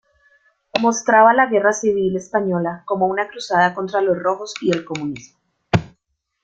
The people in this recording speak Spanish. Mostraba la Guerra Civil española como una cruzada contra los rojos y el comunismo.